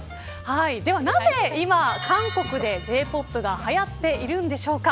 ではなぜ今韓国でＪ‐ＰＯＰがはやっているんでしょうか。